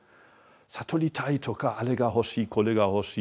悟りたいとかあれが欲しいこれが欲しい。